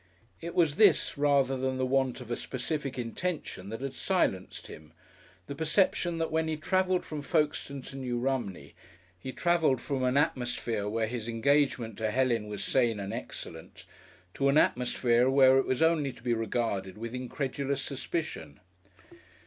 It was this rather than the want of a specific intention that had silenced him, the perception that when he travelled from Folkestone to New Romney he travelled from an atmosphere where his engagement to Helen was sane and excellent to an atmosphere where it was only to be regarded with incredulous suspicion.